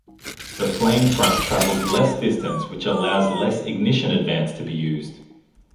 The flame front travels less distance which allows less ignition advance to be used.